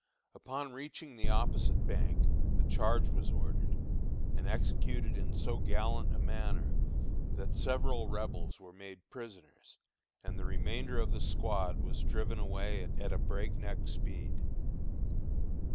On reaching the opposite bank, a charge was ordered, and executed in so gallant a manner that several Rebels were made prisoners, and the remainder of the squad was driven away at a breakneck speed.